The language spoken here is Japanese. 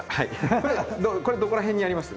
これどこら辺にやります？